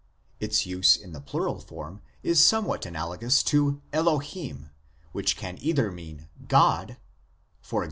Its use in the plural form is somewhat analogous to Elohim, which can either mean " God " (e.g.